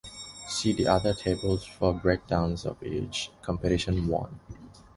See the other tables for breakdowns of each competition won.